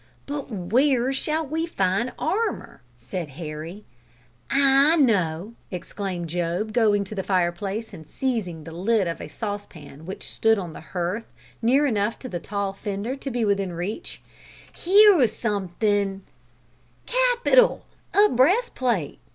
"But where shall we find armour?" said Harry. "I know," exclaimed Job, going to the fireplace, and seizing the lid of a saucepan which stood on the hearth near enough to the tall fender to be within reach, "here's somethin'." "Capital a breastplate!